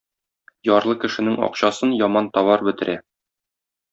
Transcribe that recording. Ярлы кешенең акчасын яман товар бетерә.